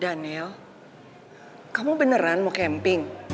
daniel kamu beneran mau camping